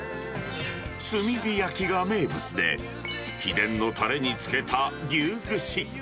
炭火焼きが名物で、秘伝のたれにつけた牛串。